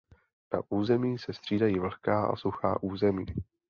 Na území se střídají vlhká a suchá území.